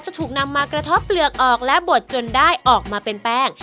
จะถูกนำมากระทบเปลือกออกและบดจนได้ออกมาเป็นแป้ง